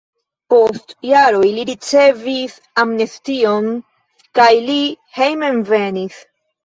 Post jaroj li ricevis amnestion kaj li hejmenvenis.